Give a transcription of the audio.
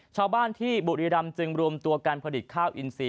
ชาวบ้านที่บุรีรำจึงรวมตัวการผลิตข้าวอินซี